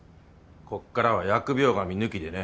こっからは疫病神抜きでね。